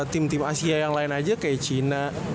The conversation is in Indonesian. tim tim asia yang lain aja kayak cina